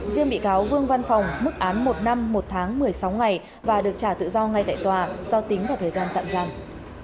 riêng bị cáo vương văn phòng mức án một năm một tháng một mươi sáu ngày và được trả tự do ngay tại tòa do tính vào thời gian tạm giam